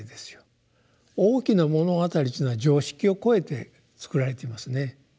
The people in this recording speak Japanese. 「大きな物語」というのは常識を超えてつくられていますね。